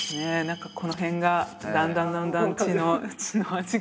何かこの辺がだんだんだんだん血の味がして。